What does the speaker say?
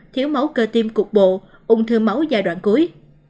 thiếu máu cơ tim cục bộ ung thư máu giai đoạn cuối